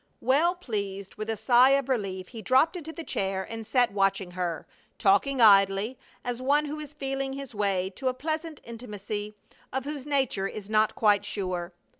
Well pleased, with a sigh of relief he dropped into the chair and sat watching her, talking idly, as one who is feeling his way to a pleasant intimacy of whose nature he is not quite sure.